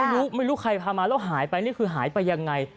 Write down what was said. ไม่รู้ไม่รู้ใครพามาแล้วหายไปนี่คือหายไปยังไง